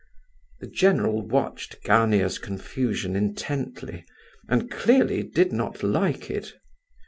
The general watched Gania's confusion intently, and clearly did not like it.